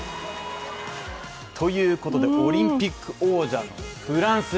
ということで、オリンピック王者のフランス。